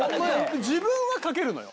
自分はかけるのよ